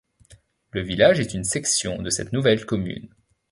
Le village est une section de cette nouvelle commune.